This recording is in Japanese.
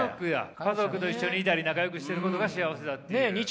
家族と一緒にいたり仲よくしてることが幸せだっていう。